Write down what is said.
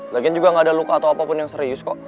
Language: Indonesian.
lagian juga nggak ada luka atau apapun yang serius kok